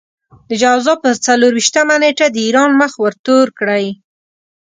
د جوزا پر څلور وېشتمه نېټه د ايران مخ ورتور کړئ.